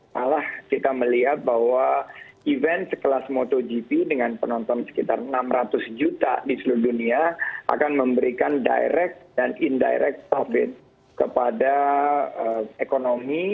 malah kita melihat bahwa event sekelas motogp dengan penonton sekitar enam ratus juta di seluruh dunia akan memberikan direct dan indirect profit kepada ekonomi